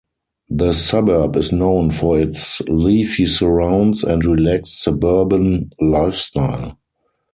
The suburb is known for its leafy surrounds and relaxed suburban lifestyle.